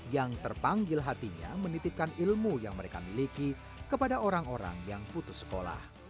yang terpanggil hatinya menitipkan ilmu yang mereka miliki kepada orang orang yang putus sekolah